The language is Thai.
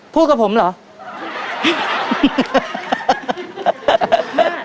พูดกับผมเหรอ